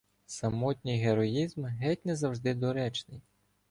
Самотній героїзм – геть не завжди доречний